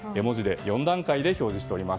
４段階で表現しております。